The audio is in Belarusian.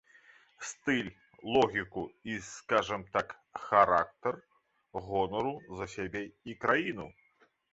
Стыль, логіку і, скажам так, характар гонару за сябе і краіну.